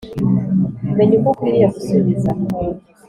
Menya uko ukwiriye gusubiza